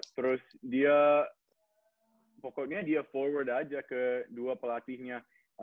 terus dia pokoknya dia forward aja ke dua pelatihnya